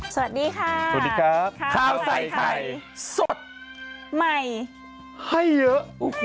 สวัสดีค่ะสวัสดีครับข้าวใส่ไข่สดใหม่ให้เยอะ